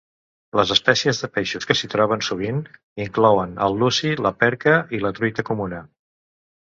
Les espècies de peixos que s'hi troben sovint inclouen el luci, la perca i la truita comuna.